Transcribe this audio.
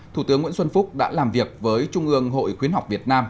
thủ tướng nguyễn xuân phúc đã làm việc với trung ương hội khuyến học việt nam